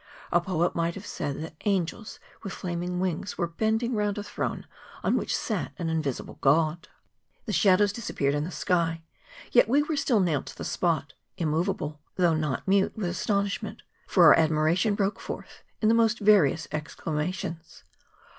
A poet might have said that angels with flaming wings were bending round a throne on which sat an invisible Grod. The shadows disappeared in the sky, yet we were still nailed to tlie spot, immovable, though not mute, with astonishment; for our admiration broke fortli in the most various exclamations.